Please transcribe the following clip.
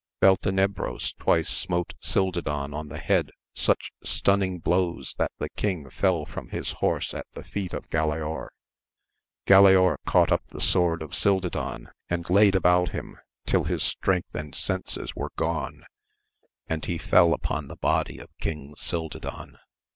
Beltenebros twice smote Cildadan on the head such stunning blows that the king fell from his horse at the feet of Galaor. Galaor caught up the sword of Cilda dan, and laid about him till his strength and! senses 56 AMADIS OF GAUL were gone, and he fell upon the body of King Cildadan.